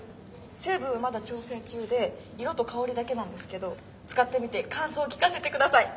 成分はまだ調整中で色と香りだけなんですけど使ってみて感想聞かせて下さい。